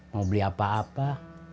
mau beli apa apa